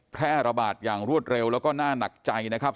แพร่ระบาดอย่างรวดเร็วแล้วก็น่าหนักใจนะครับ